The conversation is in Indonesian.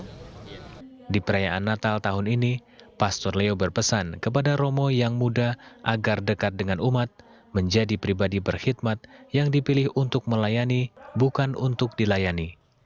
kini di usianya yang tak lagi muda pastor leo berpesan kepada romo yang muda agar dekat dengan umat menjadi pribadi berkhidmat yang dipilih untuk melayani bukan untuk dilayani